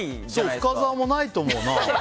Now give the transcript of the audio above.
深澤もないと思うな。